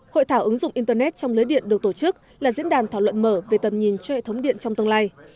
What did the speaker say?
hội thảo ứng dụng internet trong lưới điện được tổ chức là diễn đàn thảo luận mở về tầm nhìn cho hệ thống điện trong tương lai